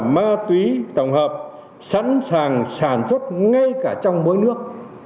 ma túy tổng hợp sẵn sàng sản xuất ngay cả trong mỗi nước